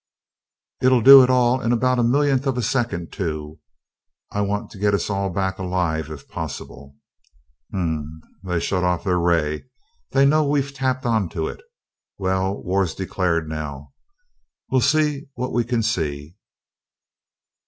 It'll do it all in about a millionth of a second, too I want to get us all back alive if possible! Hm m. They've shut off their ray they know we've tapped onto it. Well, war's declared now we'll see what we can see."